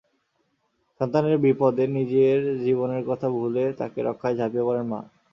সন্তানের বিপদে নিজের জীবনের কথা ভুলে তাকে রক্ষায় ঝাঁপিয়ে পড়েন মা।